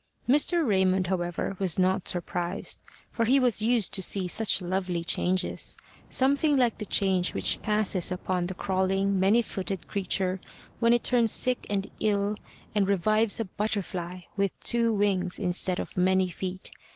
Mr. Raymond, however, was not surprised, for he was used to see such lovely changes something like the change which passes upon the crawling, many footed creature, when it turns sick and ill, and revives a butterfly, with two wings instead of many feet.